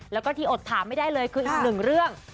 แล้วก็ที่อดถามไม่ได้เลยคืออีกหนึ่งเรื่อง